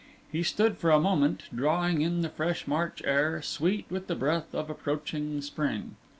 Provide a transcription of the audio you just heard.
He stood for a moment, drawing in the fresh March air, sweet with the breath of approaching spring.